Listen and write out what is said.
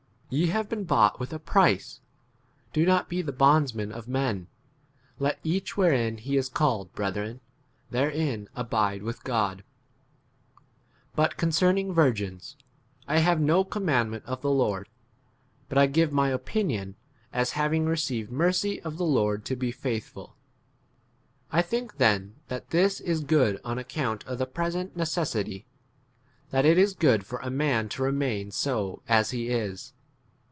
Ye have been bought with a price ; do 24 not be the bondsmen of men. Let each wherein he is called, brethren, therein abide with God. 25 But concerning virgins, I have no commandment of the Lord ; but I give my opinion, as having received mercy of [the] Lord to be faithful. 26 I think then that this is good, on account of the present neces sity, that [it is] good for a man 2 " to remain so as he is.